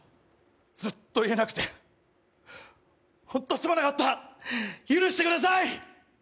ずっと言えなくて、ホントすまなかった、許してください！